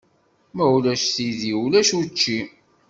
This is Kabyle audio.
Ma ulac tidi ulac učči.